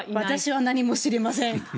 私は何も知りません。